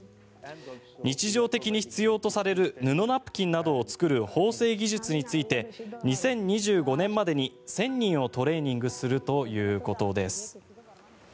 日常的に必要とされる布ナプキンなどを作る縫製技術について２０２５年までに１０００人をトレーニングするということです。